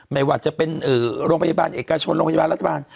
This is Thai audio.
ไม่ว่าจะเป็นโรงพยาบาลเอกชนโรงพยาบาลรัฐบาล